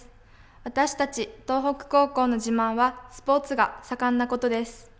私たち東北高校の自慢はスポーツが盛んなことです。